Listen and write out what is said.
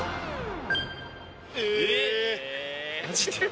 え！